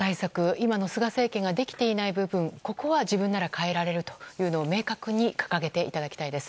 今の菅政権ができていない部分ここは自分なら変えられると明確に掲げていただきたいです。